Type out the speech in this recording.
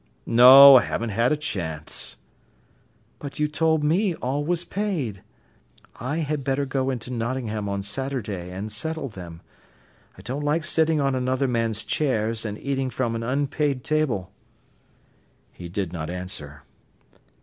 "No. I haven't had a chance." "But you told me all was paid. I had better go into Nottingham on Saturday and settle them. I don't like sitting on another man's chairs and eating from an unpaid table." He did not answer.